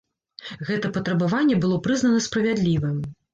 Гэта патрабаванне было прызнана справядлівым.